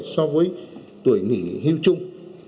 so với tuổi nghỉ hưu chung